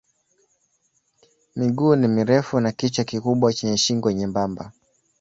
Miguu ni mirefu na kichwa kikubwa chenye shingo nyembamba.